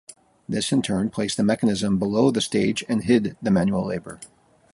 This in turn placed the mechanism below the stage and hid the manual labor.